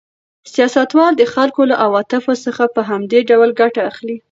سیاستوال د خلکو له عواطفو څخه په همدې ډول ګټه اخلي.